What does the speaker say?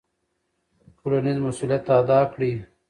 ټولنیز مسوولیت ادا کړئ.